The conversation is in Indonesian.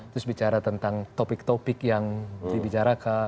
terus bicara tentang topik topik yang dibicarakan